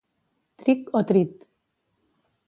Tric o trit.